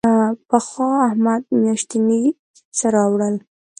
پخوا احمد میاشتنی څه راوړل.